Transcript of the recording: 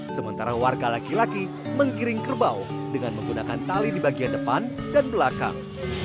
sementara warga laki laki menggiring kerbau dengan menggunakan tali di bagian depan dan belakang